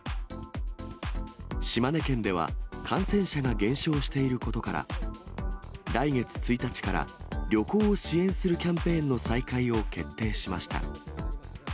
島根県では、感染者が減少していることから、来月１日から旅行を支援するキャンペーンの再開を決定しました。